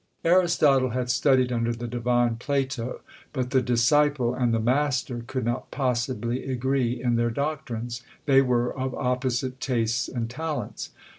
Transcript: Aristotle had studied under the divine Plato; but the disciple and the master could not possibly agree in their doctrines: they were of opposite tastes and talents.